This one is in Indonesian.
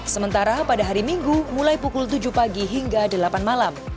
sementara pada hari minggu mulai pukul tujuh pagi hingga delapan malam